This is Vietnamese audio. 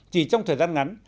chỉ trong thời gian ngắn